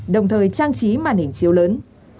đồng thời trang trí màn hình chiếu lớn